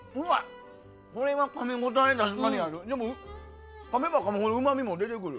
これは、かみ応えがある！